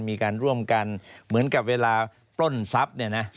มีการร่วมกันเหมือนกับเวลาปล้นทรัพย์เนี่ยนะ